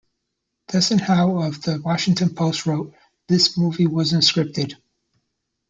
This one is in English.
Desson Howe of "The Washington Post" wrote, "This movie wasn't scripted.